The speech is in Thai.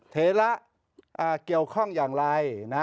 เถระเกี่ยวข้องอย่างไร